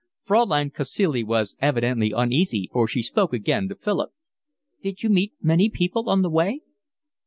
Fraulein Cacilie was evidently uneasy, for she spoke again to Philip. "Did you meet many people on the way?"